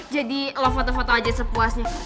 jadi lo foto foto aja sepuasnya